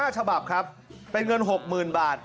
๕ฉบับครับเป็นเงิน๖๐๐๐บาท